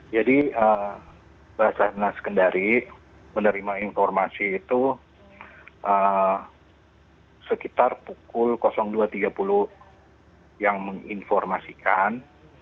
jadi basar nas kendari menerima informasi itu sekitar pukul dua tiga puluh yang menginformasikan